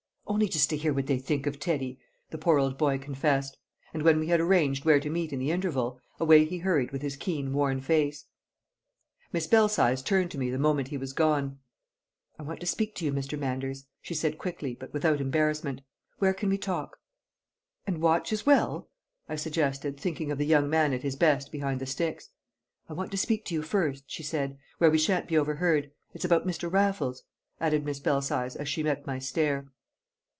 "Only just to hear what they think of Teddy," the poor old boy confessed; and when we had arranged where to meet in the interval, away he hurried with his keen, worn face. Miss Belsize turned to me the moment he was gone. "I want to speak to you, Mr. Manders," she said quickly but without embarrassment. "Where can we talk?" "And watch as well?" I suggested, thinking of the young man at his best behind the sticks. "I want to speak to you first," she said, "where we shan't be overheard. It's about Mr. Raffles!" added Miss Belsize as she met my stare.